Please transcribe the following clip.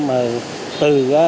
mà đại lý tây nam